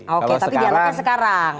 oke tapi dialahkan sekarang